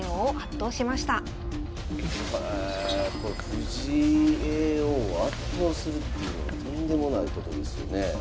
藤井叡王を圧倒するってとんでもないことですよね。